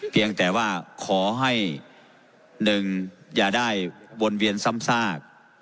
เพียงแต่ว่าขอให้๑อย่าได้วนเวียนซ้ำซาก